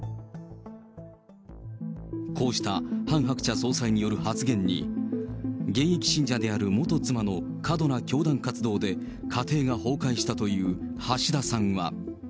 こうしたハン・ハクチャ総裁による発言に、現役信者である元妻の過度な教団活動で家庭が崩壊したという橋田